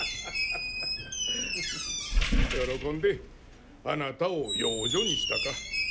喜んであなたを養女にしたか。